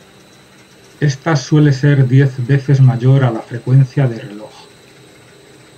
Ésta suele ser diez veces mayor a la frecuencia de reloj.